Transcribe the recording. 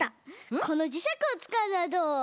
このじしゃくをつかうのはどう？